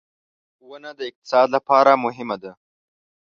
• ونه د اقتصاد لپاره مهمه ده.